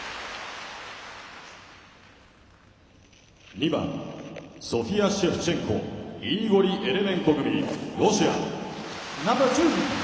２番ソフィア・シェフチェンコイーゴリ・エレメンコ組、ロシア。